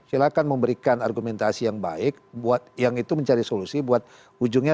silahkan memberikan argumentasi yang baik buat yang itu mencari solusi buat ujungnya